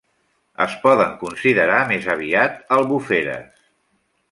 Es poden considerar més aviat albuferes.